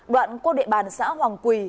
đoạn quốc địa bàn xã hoàng quỳ